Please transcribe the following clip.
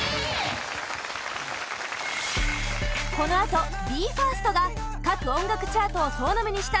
このあとＢＥ：ＦＩＲＳＴが各音楽チャートを総なめにした